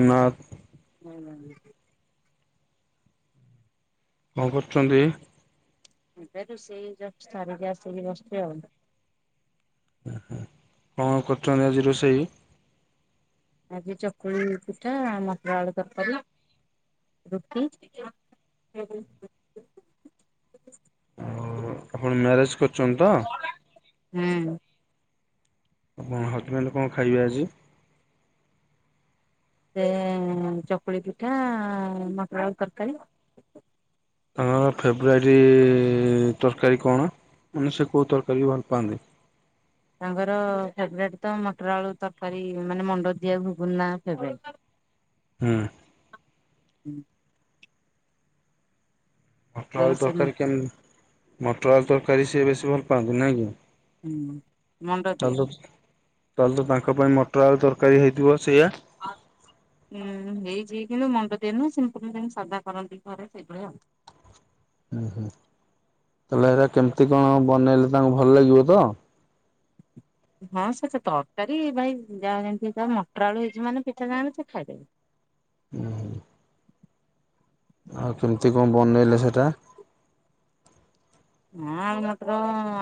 ନା କଣ କରୁଛନ୍ତି? ଏବେ ତୁ ସେଇ ସାରିକି ଆସିକି ବସଛି୍ ଆଉ। କଣ କରିଛନ୍ତି ଆଜି ରୋଷେଇ। ଆଜି ଚକୁଳି ପିଠା ମଟର ଆଳୁ ତରକାରୀ। ରୁଟି। ଆପଣ ମ୍ୟାରେଜ୍ କରିଛନ୍ତି ତ? ଆପଣଙ୍କ ହଜବ୍ୟାଣ୍ଡ୍ କଣ ଖାଇବେ ଆଜି? ସେ ଚକୁଳି ପିଠା ମଟର ଆଳୁ ତରକାରୀ। ତାଙ୍କର ଫେବରାଇଟ୍ ତରକାରୀ କଣ? ମାନେ ସେ କଉ ତରକାରୀ ବି ଭଲ ପାଆନ୍ତି? ତାଙ୍କର ଫେବରେଟ୍ ତ ମଟର ଆଳୁ ତରକାରୀ, ମାନେ ମଣ୍ଡ ଦିଆ ଘୁଗୁନା ଫେବରେଟ୍। ହୁଁ। [inaudible] ମଟର ତାଙ୍କର ଆଉ ସେ ତରକାରୀ କେମ୍ ମଟର ଆଉ ତରକାରୀ ସେ ବେଶି ଭଲ ପାଆନ୍ତି ନାଇଁ କି? ହୁଁ ମଣ୍ଡ ତାହେଲେ ଦିଆ। ତ ତାହେଲେ ତ ତାଙ୍କ ପାଇଁ ମଟର ଆଉ ତରକାରୀ ହେଇଥିବ ସେଇୟା। ଆ। ହୁଁ ହେଇଛି କିନ୍ତୁ ମଣ୍ଡ ଦ ନୁହ, ସିମ୍ପଲ ସାଦା କରନ୍ତି ଘରେ ସେଇଭଳିଆ ଆଉ। [inaudible] ହୁଁ ହୁଁ ତାହଲେ ଏଟରା କେମିତି କଣ ବନେଇଲେ ତାଙ୍କୁ ଭଲ ଲାଗିବ ତ? ହଁ ସେଟା ତରକାରୀ ଭାଇ ଯାହା ଯେମିତି ଯ ମଟର ଆଳୁ ହେଇଛି, ମାନେ ପିଠା ଯା ହେଉ ସେ ଖାଇଦେବେ। ହୁଁ। ଆଉ କେମିତି କଣ ବନେଇଲେ ସେଟା? ହଁ ଆଳୁ ମଟର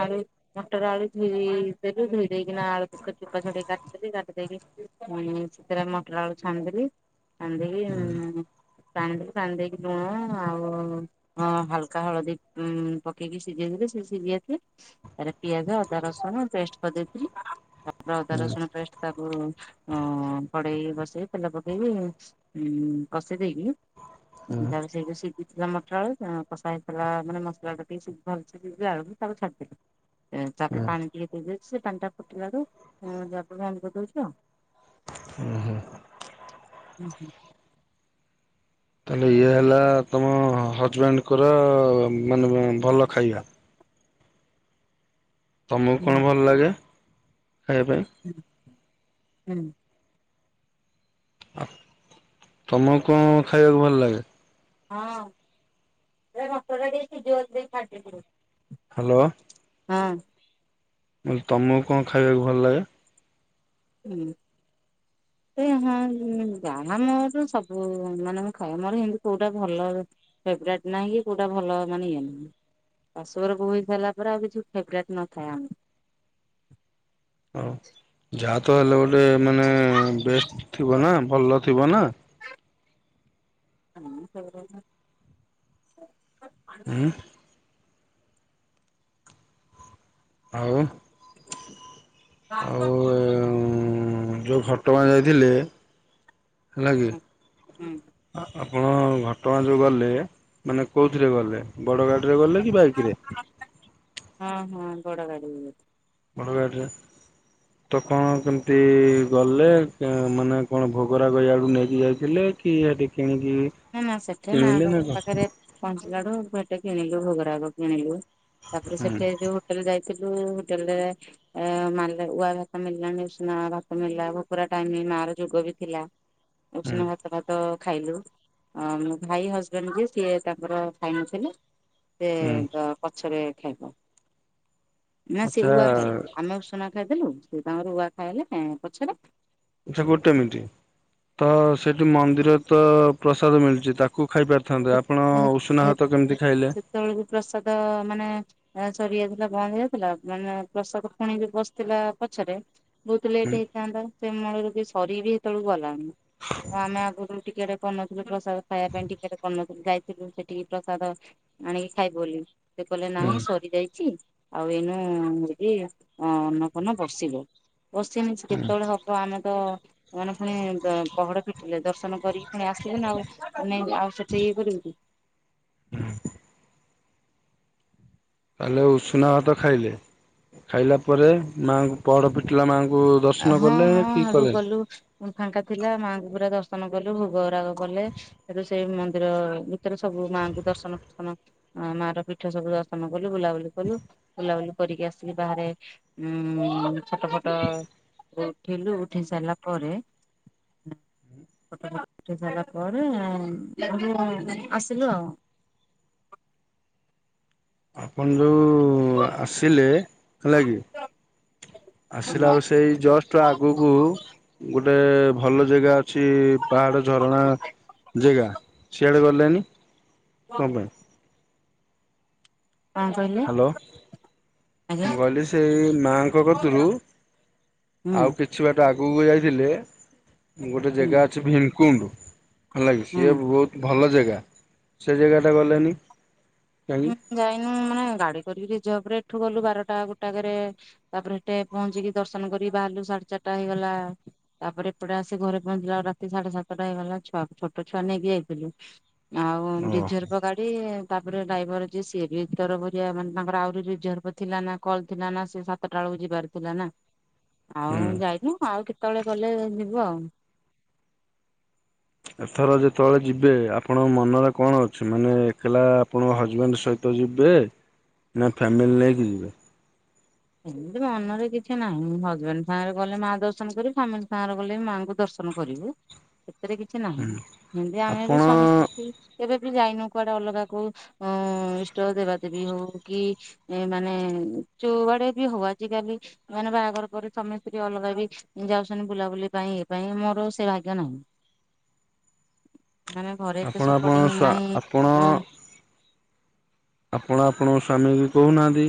ଆଳୁ ମଟର ଆଳୁ ଧୋଇ ଦେଲୁ ଧୋଇ ଦେଇକିନା ଆଳୁ ଚ କାଟିଦେଲି କାଟି ଦେଇକି ସେଥିରେ ମଟର ଆଳୁ ଛାଣିଦେଲି। ଛାଣି ଦେଇ ହଁ ପାଣି ପାଣି ଦେଇକି ଲୁଣ ଆଉ ହାଲକା ହଳଦୀ ଉ ପକେ ପକେଇକି ସିଝେଇଲେ ସେ ସିଝି ଯାଇଥିଲେ ତା ପିଆଜ ଅଦା ରସୁଣ ପେଷ୍ଟ୍ କରିଦେଇଥିଲି। ଅଦା ରସୁଣ ପେଷ୍ଟ୍। କଡେଇ ବସେଇ ତେଲ ପକେଇକି କଷି ଦେଇକି? ହୁଁ ତାପରେ ସେଇ ଯୋଉ ସିଝିଥିଲା ମଟରଳୁ କଷା ହେଇଥିଲା ମାନେ ମସଲା ଟା [unintelligible] ଟ ଭଲ ଯ ଆଳକୁ [unintelligible] ତାକୁ ଛାଡିଦେବେ ତାପରେ ହୁଁ ପାଣି ଟିକେ ଦେବେ ସେ ପାଣି ଟା ଫୁଟିବାରୁ ଯ ଆଭ ଦଉଛି ଆଉ ହୁଁ ହୁଁ। ହୁଁ ହୁଁ। ତାହଲେ ଇଏ ହେଲା ତମ ହଜବେଣ୍ଡ୍ ଙ୍କର ମାନେ ଭଲ ଖାଇବା? ତମକୁ ହୁଁ କଣ ଭଲ ଲାଗେ, ଖାଇବା ପାଇଁ? ହୁଁ ହୁଁ। ଆ ତମକୁ କଣ ଖାଇବାକୁ ଭଲ ଲାଗେ? [unintelligible] ହଁ ମା ଦେଛି ଜୋଲ ଦେଇ ଖଟିଥିଲ [unintelligible] ହାଲୋ। ହଁ। ବଲେ ତମକୁ କଣ ଖାଇବାକୁ ଭଲ ଲାଗେ? ହୁଁ। ସେ ହଁ ଯାହା ମୋର ସବୁ ମାନେ ଖାଇ ମୋର ହେତି କୋଉଟା ଭଲ ଫେଭୋରାଇଟ୍ ନାହିଁ କି କୋଉଟା ଭଲ ମାନେ ଇଏ ନାହିଁ। ଶାଶୁ ଘର ବୋହୂ ହଇ ସାରିଲା ପରେ ଆଉ କିଛି ଫେବରାଇଟ୍ ନଥାଏ ଆମ ହଁ ଯାହା ତ ହେଲେ ଗୋଟେ ମାନେ ବେଷ୍ଟ ଥିବ ନା ଭଲ ଥିବ ନା ତ [unintelligible] ଉଁ। ଆଉ। ବା [inaudible] ହଁ ଯୋଉଁ ଘଟଗାଁ ଯାଇଥିଲେ ହେଲା କି? ଆପଣ ଘଟଗାଁ ଯୋଉଁ ଗଲେ, ମାନେ କେଉଁଥିରେ ଗଲେ, ବଡ଼ ଗାଡ଼ିରେ ଗଲେ କି ବାଇକରେ? ହଁ-ହଁ ବଡ଼ ଗାଡ଼ିରେ। ବଡ଼ ଗାଡ଼ିରେ। ତ କଣ କେମତି ଗଲେ ମାନେ କଣ ଭୋଗରାଗ ଆଡୁ ନେଇକି ଯାଇଥିଲେ। କିଏ ଆଦି କିଣିକି ନା ନା ସେଠି କିଣିଲେ ମାଆଙ୍କ ନା କଣ? ପାଖରେ ପହଞ୍ଚି ଇଆଡୁ ଗୋଟେ କିଣିଲୁ ଭୋଗରାଗ କିଣିଲୁ ତାପରେ ହୁଁ ସେଠେଇ ଯୋଉ ହୋଟେଲ ଯାଇ ହୋଟେଲରେ ଅରୁଆ ଭାତ ମଳିଲାଣି ଉସୁନା ଭାତ ମଳିଲା ଭୋକର ଟାଇମ୍। ମା ର ଯୋଗ ବି ଥିଲା ହୁଁ ଉଷୁନା ଭାତ ଫାତ ଖାଇଲୁ। ମୋ ଭାଇ ହଜବେଣ୍ଡ ଯିଏ ସିଏ ତାଙ୍କର ଖାଇ ନଥିଲେ। ସେ ହୁଁ ପଛରେ ଖାଇବ। ନା ସେ ଆଚ୍ଛା ଅରୁଆ ଖାଇଲେ ଆଚ୍ଛା ଆମେ ଉସୁନା ଖାଇଦେଲୁ ସେ ତାଙ୍କର ଆରୁଆ ଖାଇଲେ ପଛରେ। ସେ ଗୋଟେ ମିନଟ ତ ସେଠି ମନ୍ଦିର ତ ପ୍ରସାଦ ମିଳିଛି ତାକୁ ଖାଇ ପାରିଥାନ୍ତେ ଆପଣ ଉଷୁନା ଭାତ କେମିତି ଖାଇଲେ? ସରି ଯାଇଥିଲା ବନ୍ଦ ହେଇଯାଇଥିଲା ମାନେ ପ୍ରସାଦ ପୁଣି ବସିଥିଲା ପଛରେ ବହୁତ ଲେଟ୍ ହୁଁ ହେଇଥାନ୍ତା ସେ ମୂଳରୁ ସରି ବି ସେତବେଳକୁ ଗଲାଣିି ଆଉ ଆମେ ଆଗରୁ ଟିକେଟ କରିନଥିଲୁ ପ୍ରସାଦ ଖାଇବା ପାଇଁ ଟିକେ କରିନଥିଲୁ ଯାଇଥିଲୁ ସେଠିକି ପ୍ରସାଦ ଆଣିକି ଖାଇବୁ ବୋଲି ସେ କହିଲେ ହୁଁ ନାହିଁ ସରିଯାଇଛି ଆଉ ଏଇନୁ ଯାଇକି ଅର୍ଣ୍ଣ ଫର୍ଣ୍ଣ ବସିବ। ବସିନି ହୁଁ କେତେବେଳେ ହବ ଆମେ ତ ସେମାନେ ପୁଣି ପହଡ ଫିଟିଲେ ଦର୍ଶନ କରିକି ପୁଣି ଆସିବେ ନା ଆଉ ସେ ଇକରିବେ କି? ତାହେଲେ ଉଷୁନା ଭାତ ଖାଇଲେ ଖାଇଲା ପରେ ମାଙ୍କ ପହଡ ଫିଟିଲା ମାଆଙ୍କ ଙ୍କୁ ହଁ ଦର୍ଶନ କଲେ ହଁ କି ହେଠୁ କଲେ? ଗଲୁ ଫାଙ୍କା ଥିଲା ମାଙ୍କୁ ପୁରା ଦର୍ଶନ କଲୁ ଭୋଗ ରାଗ କଲେ ସେଇ ମନ୍ଦିର ଭିତରେ ସବୁ ସବୁ ମାଆଙ୍କୁ ଦର୍ଶନ ଫର୍ଶନ ମା ର ପୀଠ ସବୁ ଦର୍ଶନ କଲୁ ବୁଲାବୁଲି କଲୁ ବୁଲାବୁଲି କରିକି ଆସିକି ବାହାରେ ଉ ଫଟୋ ଫଟୋ ଉଠେଇଲୁ ଉଠେଇ ସାରିଲା ପରେ ଫଟୋ ଉଠେଇ ସାରିଲା ପରେ ଆସିଲୁ ଆଉ। [inaudible] ଆପଣ ଯୋଉ ଆସିଲେ ହେଲାକି ଆସିଲା ବେଳ ସେଇ ଜଷ୍ଟ ଆଗକୁ ଗୋଟେ ଭଲ ଜାଗା ଅଛି ପାହାଡ ଝରଣା ଜାଗା ସିଆଡେ ଗଲେନି। କଣ ପାଇଁ? କଣ କହିଲେ ହ୍ୟାଲୋ ଆଜ୍ଞା ମୁଁ କହିଲି ସେଇ ମାଙ୍କ କତିରୁ ହୁଁ ଆଉ କିଛି ବାଟ ଆଗ ଆଗୁକୁ ଯାଇଥିଲେ ଗୋଟେ ହୁଁ ଜାଗା ଅଛି ଭୀମକୁଣ୍ଡ ହେଲାକି ହୁଁ। ଇଏ ବହୁତ ଭଲ ଜାଗା ସେ ଜାଗାଟା ଗଲେନି। କାହିଁକି? ହୁଁ ଯାଇନୁ ମାନେ ଗାଡି କରିକି ରିଜର୍ଭରେ ଏଠୁ ଗଲୁ ବାରଟା ଗୋଟା କରେ ତାପରେ ସେଠେ ପହଞ୍ଚିକି ଦର୍ଶନ କରି ବାହାରିଲୁ ସାଢେ ଚାରିଟା ଟାଇମ ହେଇଗଲା ତାପରେ ଏପଟେ ଆସି ଘରେ ପହଞ୍ଚିଲା ରାତି ସାଢେ ସାତଟା ହେଇଗଲା ଛୋଟ ଛୁଆ ନେଇକି ଯାଇଛୁ। ଆଉ ଓହୋ ରିଜର୍ଭ ଗାଡି ତାପରେ ଡ୍ରାଇଭର ସିଏ ବି ତର ଭରିିଆ ମାନେ ତାଙ୍କର ଆହୁରି ରିଜର୍ଭ ଥିଲା ନା କଲ୍ ଥିଲା ନା ସେ ସାତଟା ବେଳକୁ ଯିବାର। ତୁଥିଲା ନା ଆଉ ହୁଁ ଯାଇନୁ ଆଉ କେତେବେଳେ ଗଲେ ଯିବୁ ଆଉ। ଏଥର ଯେତେବେଳେ ଯିବେ ଆପଣଙ୍କ ମନରେ କଣ ଅଛି ମାନେ ଏକଲା ଆପଣଙ୍କ ହଜବେଣ୍ଡ ସହିତ ଯିବେ ନା ଫାମିଲି ନେଇକି ଯିବେ। ଏମିତି ମନରେ କିଛି ନାହିଁ ହଜବେଣ୍ଡ ସାଙ୍ଗରେ ଗଲେ ମା ଦର୍ଶନ କରି ଫାମିଲି ସାଙ୍ଗରେ ଗଲେ ବି ମାଆଙ୍କୁ ଦର୍ଶନ କରିବୁ ସେଥିରେ କିଛି ନାହିଁ ଆମେ ଆପଣ ବି ସ୍ୱାମୀ ସ୍ତ୍ରୀ କେ ଯାଇନ କୁଆଡେ ଅଲଗା କୋଉ ଉଁ ଇଷ୍ଟ ଦେବାଦେବୀ ହଉ କି ମାନେ ଯୋଉଁ ଆଡେ ହଉ ଆଜିକାଲି ମାନେ ବାହାଘର କରି ସ୍ୱାମୀ ସ୍ତ୍ରୀ ଅଲଗା ବି ଯାଉଛନ୍ତି ବୁଲାବୁଲି ପାଇଁ ଏଇ ପାଇଁ ମୋ ମୋର ସେ ଭାଗ୍ୟ ନାହିଁ। ମାନେ ଘରେ ଏତେ ଆପଣ ଆପଣ ସପୋର୍ଟିଂ ସ୍ଵ ନାହିଁ। ଆପଣ ମୁଁ ଆପଣ ଆପଣ ସ୍ଵ ସ୍ୱାମୀକୁ କହୁନାହାନ୍ତି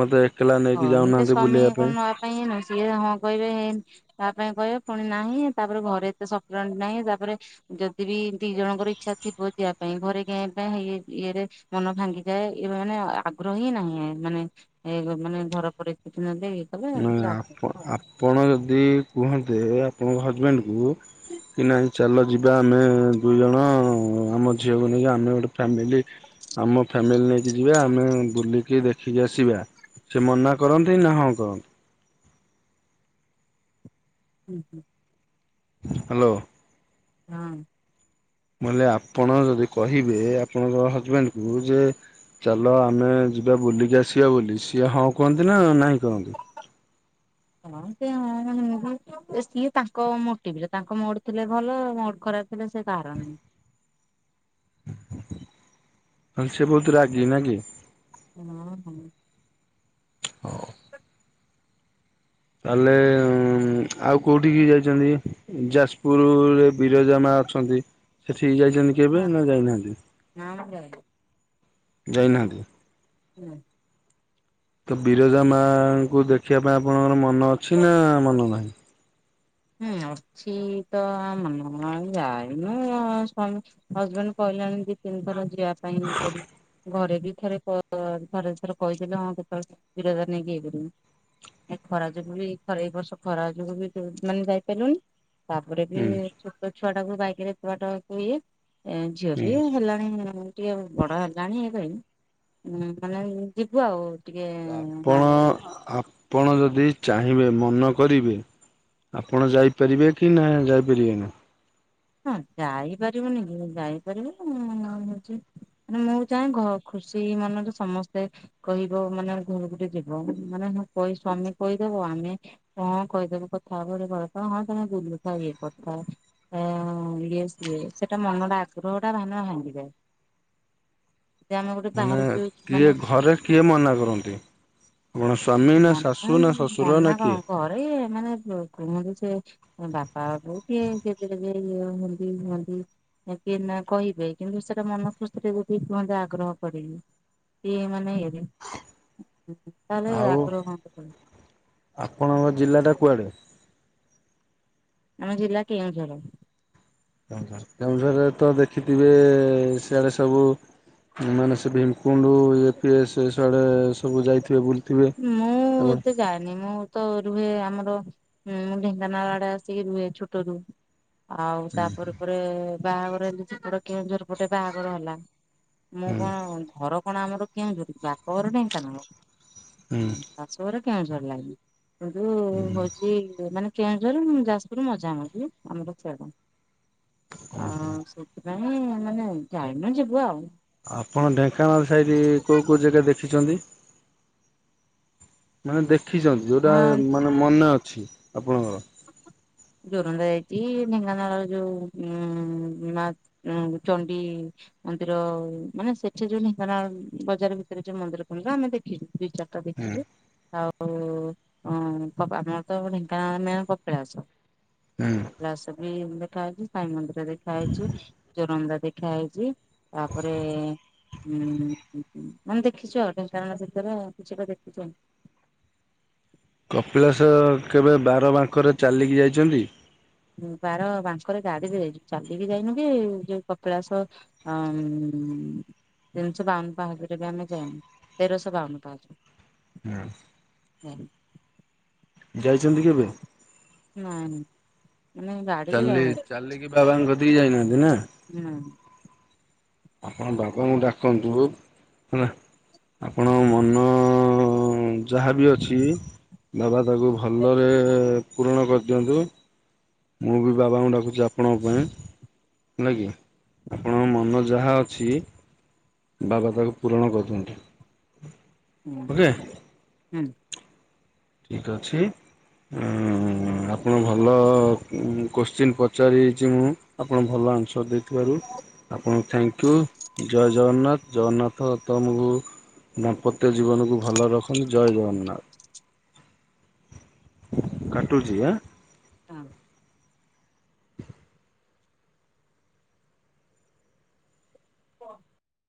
ମତେ ଏକଲା ନେଇକି କହିଲେ ଯାଉନାହାନ୍ତି ସ୍ୱାମୀ ବୁଲେଇବା କଣ ପାଇଁ। ନବା ପାଇଁ ସିଏ ହଁ କହିବେ ତା ପାଇଁ କହିବ ପୁଣି ନାହିଁ ତାପରେ ଘରେ ଏତେ ସଫଟର ନାହିଁ ତାପରେ ଯଦି ବି ଦି ଜଣଙ୍କ ଇଚ୍ଛା ଥିବ ଯିବା ପାଇଁ ଘରେ ଗେ ପେ ଇଁ-ଇଏରେ ମନ ଭାଙ୍ଗିଯାଏ, ଏମାନେ ଆ-ଆଗ୍ରହ ହିଁ ନା ନାହିଁ ମାନେ ଏ ମାନେ ଘର ପରିସ ନାଇଁ ଆପ-ଆପଣ ଯଦି କୁହନ୍ତେ ଆପଣଙ୍କ ହଜବେଣ୍ଡକୁ କି ନାହିଁ ଚାଲ ଯିବା ଆମେ ଦୁଇଜଣ ଆମ ଝିଅକୁ ନେଇକି ଆମେ ଗୋଟେ ଫ୍ୟାମିଲି ଆମ ଫ୍ୟାମିଲି ନେଇ ଯିବା ଆମେ ବୁଲିକି ଦେଖିକି ଆସିବା ସେ ମନା କରନ୍ତି ନା ହଁ କରନ୍ତି। ହୁଁ ହୁଁ। ହାଲୋ। ହଁ। ମୁଁ କହିଲି ଆପଣଙ୍କ ଯଦି କହିବେ ଆପଣଙ୍କ ହଜବେଣ୍ଡକୁ ଯେ ଚାଲ ଆମେ ଯିବା ବୁଲିକି ଆସିବା ବୋଲି ସିଏ ହଁ କୁହନ୍ତି ନା ନାହିଁ କହନ୍ତି? ହଁ ସେ ହଁ ଏମିତି ସିଏ ତାଙ୍କ ମୋଟିଭରେ ତାଙ୍କ ମୋଡ ଥିଲେ ଭଲ ମୋଡ ଖରାପ ଥିଲେ ସେ କାହାର ନୁହଁ। ହଁ ସିଏ ବହୁତ ରାଗି ନାକି? ହଁ ହଁ। ହଉ। ତାହେଲେ ଆଉ କେଉଁଠିକି ଯାଇଛନ୍ତି, ଯାଜପୁରରେ ବିରଜା ମା ଅଛନ୍ତି ସେଠି ଠିକ ଯାଇଛନ୍ତି କେବେ ନା ଯାଇନାହାନ୍ତି? ହଁ। ଯାଇନାହାନ୍ତି। ନା। ତ ବିରଜା ମାଙ୍କୁ ଦେଖିବା ପାଇଁ ଆପଣଙ୍କର ମନ ଅଛି ନା ମନ ନାହିଁ। ହୁଁ ଅଛି ତ ମନ ଯାଇନୁ ସ୍ୱାମୀ ହଜବେଣ୍ଡ କହିଲାନି ଦି ତିନିଥର ଯିବା ପାଇଁପରି ଘରେ। ଥରେ ଥରେ ଥରେ କହିଥିଲେ ହଁ କେତେବେଳେ ବିରଜାର ନେଇକି ଇଏ କରିବୁ। ଏ ଖରା ଯୋଗୁ ବି [unintelligible] ଏଇ ବର୍ଷ ଖରା ଯୋଗୁ ବି ମାନେ ଯାଇପାରିଲୁନି ତାପରେ ବି ହୁଁ ଛୋଟ ଛୁଆ ଟାକୁ ବାଇକରେ ଏତେ ବାଟ ନିଏ ଏ ଝିଅ ବି ହୁଁ ହେଲାଣି ଟିକେ ବଡ ହେଲାଣି ଏ ପାଇଁ ହଁ ମାନେ ଯିବୁ ଆଉ ଟିକେ ଆପଣ ମା ଆପଣ ଯଦି ଚାହିଁବେ ମନ କରିବେ ଆପଣ ଯାଇପାରିବେ କି ନା ଯାଇପାରିବେ ନା? ହଁ ଯାଇପାରିବୁନି କି ଯାଇପାରିବୁଁ ମ ହଉଛି ମୁଁ ଚାହେଁ ଘ ଖୁସି ମନରେ ସମସ୍ତେ କହିବ ମାନେ ଘରୁକୁ ଗୁଟେ ଯିବ ମାନେ କହି ସ୍ଵାମୀ କହିଦବ ଆମେ କଣ କହିଦେବୁ କଥାହବ ହଁ ତମେ ବୁଲୁଥା ଇଏ କରିଥା। ହଁ ଇଏସ୍ ଇଏସ୍। ମାନେ ଆପଣ ସ୍ଵାମୀ ନା ମନା ଶାଶୁ ନା ଶ୍ୱଶୁର ନା ମନା କିଏ? କଣ ଘରେ ବାପା ବଉ କି ଗେଜେ ଗେଜେ ଇଏ ହୁଅନ୍ତି। ହୁଅନ୍ତି। କି ନା କହିବେ କିନ୍ତୁ ସେଟା ମନ ଖୁସିରେ କୁହନ୍ତେ ଆଗ୍ରହ କରିକି ଇଏ ମାନେ [unintelligible] ତାହେଲେ ଆଉ ଆଗ୍ରହ ହୁଅନ୍ତେ ଆପଣଙ୍କ ଜିଲ୍ଲାଟା କୁଆଡ଼େ? ଆମ ଜିଲ୍ଲା କେଉଁଝର। କେଉଁଝର କେଉଁଝରେ ତ ଦେଖିଥିବେ ସିଆଡେ ସବୁ ମାନେ ସେ ଭିମକୁଣ୍ଡୁ ଇଏ ଫିଏ ସିଆଡ଼େ ସବୁ ଯାଇଥିବେ ବୁଲି। ମୁଁ ଏତେ ଯାଏନି ମୁଁ ତ ରୁହେ ଆମର ଉ ଢେଙ୍କାନାଳ ଆଡ଼େ ଆସିକି ରୁହେ ଛୋଟରୁ ଆଉ ତାପରେ ପରେ ବାହାଘର ହେଲୁଯେ ସେପଟେ କେଉଁଝର ପଟେ ବାହାଘର ହେଲା। ମୁଁ ହୁଁ କଣ ଘର କଣ ଆମର କେଉଁଝର କି ବାପଘର ଢେଙ୍କାନାଳ। ହୁଁ। ଶାଶୁଘର କେଉଁଝର ଲାଇନ କିନ୍ତୁ ହଉଛି ମାନେ କେଉଁଝର, ଯାଜପୁର ମଝାମଝି ଆମର ସ [unintelligible] ନାଇଁ ମାନେ ଯାଇନୁ ଯିବୁ ଆଉ ଆପଣ ଢେଙ୍କାନାଳ ସାଇଡ କୋଉଁ କୋଉଁ ଜାଗା ଦେଖିଛନ୍ତି? ମାନେ ଦେଖିଛନ୍ତି ଯୋଉଁଟା ହଁ ମାନେ ମନେ ଅଛି? ଆପଣଙ୍କର? ଜୋରନ୍ଦା ଯାଇଚି ଏଇ ଢେଙ୍କାନାଳର ଯୋଉଁ ଉ ମା ଚଣ୍ଡିମନ୍ଦିର ମାନେ ସେଠି ଯୋଉଁ ଢେଙ୍କାନାଳ ବଜାର ଭିତରେ ଯୋଉଁ ମନ୍ଦିର ଫନ୍ଦିର ଆମେ ଦେଖଚୁ। ଦି ଚାରିଟା ହୁଁ। ଦେଖିଚୁ ଆଉ ଆମର ତ ଢେଙ୍କାନାଳ ଲାଇନ କ କପିଳାସ ହୁଁ କପିଳାସ ବି ଦେଖାଇଛି ସାଇ ମନ୍ଦିର ଦେଖାହେଇଛି ଜୋରନ୍ଦା ଦେଖାହେଇଛି ତାପରେ ହୁଁ ମାନେ ଦେଖିଛୁ ଆଉ ଢେଙ୍କାନାଳ ଭିତରେ କିଛିଟା ଦେଖିଛୁ। [inaudible] କପିଳାସ କେବେ ବାର ବାଙ୍କରେ ଚାଲିକି ଯାଇଛନ୍ତି? ବାର ବାଙ୍କରେ ଗାଡ଼ିରେ ଯାଇଛୁ ଚାଲିକି ଯାଇନୁ କି ଯୋଉଁ କପିଳାସ ହୁଁ ତିନିଶହ ବାଉନ ପାହାଚରେ ବି ଆମେ ଯାଇନୁ ତେରଶହ ବାଉନ ପାହାଚ। ହୁଁ। ହୁଁ। ଯାଇଛନ୍ତି କେବେ? ନାଇଁ ନାଇଁ। ମାନେ ଗାଡିରେ ଚାଲି ଯାଉ ହୁଁ ଚାଲିକି ବାବାଙ୍କ କତିକି ଯାଇନାହାନ୍ତି ନା? ଆପଣ ବାବାଙ୍କୁ ଡାକନ୍ତୁ ହେଲା ଆପଣ ମନ ହଁ ଯାହା ବି ଅଛି ବାବା ତାକୁ ଭଲରେ ପୂରଣ କରିଦିଅନ୍ତୁ। ମୁଁ ବି ବାବାଙ୍କୁ ଡାକୁଛି ଆପଣଙ୍କ ପାଇଁ ହେଲା କି ଆପଣଙ୍କ ମନ ଯାହା ଅଛି ବାବା ତାକୁ ପୂରଣ କରି ଦିଅନ୍ତୁ। ହୁଁ ହୁଁ। ଠିକ ଅଛି। ହଁ ଆପଣ ଭଲ କୋଶ୍ଚିନ୍ ପଚାରିଛି ମୁଁ ଆପଣ ଭଲ ଆନ୍ସର ଦେଇଥିବାରୁ ଆପଣଙ୍କୁ ଥ୍ୟାଙ୍କୟୁ ଜୟ ଜଗନ୍ନାଥ ଜଗନ୍ନାଥ ତମକୁ ଦାମ୍ପତ୍ୟ ଜୀବନକୁ ଭଲ ରଖନ୍ତୁ ଜୟ ଜଗନ୍ନାଥ। କାଟୁଚି ଆଁ। ହଁ [inaudible]